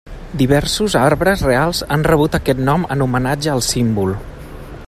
Diversos arbres reals han rebut aquest nom en homenatge al símbol.